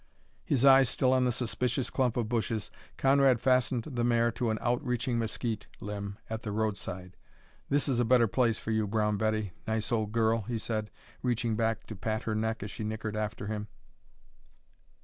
His eye still on the suspicious clump of bushes, Conrad fastened the mare to an outreaching mesquite limb at the roadside. "This is a better place for you, Brown Betty, nice old girl," he said, reaching back to pat her neck as she nickered after him.